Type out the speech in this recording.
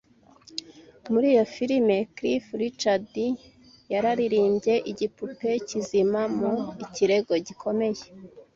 Muri iyo filime Cliff Richard yaririmbye Igipupe kizima mu Ikirego gikomeye